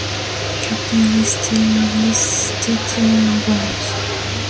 Captains listed in bold.